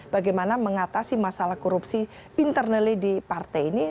bagaimana mengatasi masalah korupsi internally di partai ini